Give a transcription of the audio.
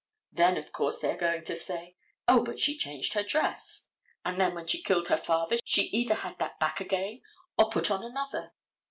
Then, of course, they are going to say: "O, but she changed her dress, and then, when she killed her father she either had that back again or put on another."